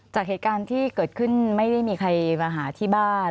จากเหตุการณ์ที่เกิดขึ้นไม่ได้มีใครมาหาที่บ้าน